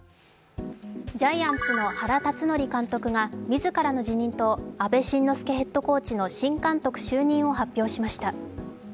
ジャイアンツの原辰徳監督が自らの辞任と阿部慎之助ヘッドコーチの新監督就任を発表しました。